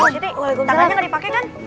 siti tangannya gak dipake kan